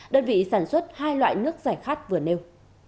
đơn vị sản xuất hai loại nước giải khát vừa nêu